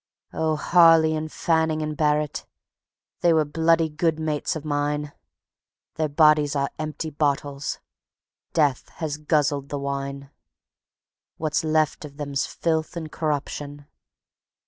Oh, Harley and Fanning and Barret, they were bloody good mates o' mine; Their bodies are empty bottles; Death has guzzled the wine; What's left of them's filth and corruption.